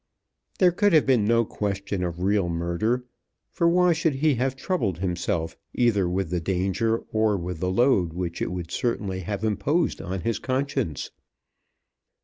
There could have been no question of real murder; for why should he have troubled himself either with the danger or with the load which it would certainly have imposed on his conscience?